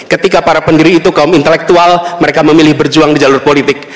ketika para pendiri itu kaum intelektual mereka memilih berjuang di jalur politik